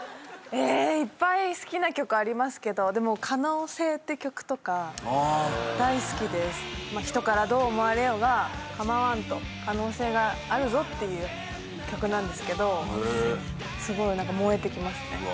ええっいっぱい好きな曲ありますけど「可能性」って曲とか大好きです人からどう思われようがかまわんと可能性があるぞっていう曲なんですけどすごい何か燃えてきますね